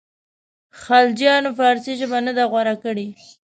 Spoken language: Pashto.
خلجیانو فارسي ژبه نه ده غوره کړې.